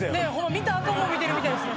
見たらあかんもん見てるみたいですね